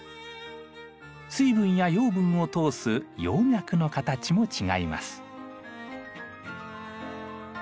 水分や養分を通す葉脈の形も違います。